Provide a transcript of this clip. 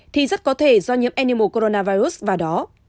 thì rất có thể do nhiễm enimo coronavirus vào đó